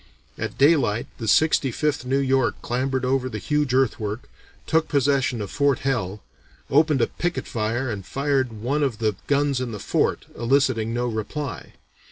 At daylight the Sixty fifth New York clambered over the huge earthwork, took possession of Fort Hell, opened a picket fire and fired one of the guns in the fort, eliciting no reply.